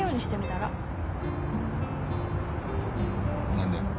何で？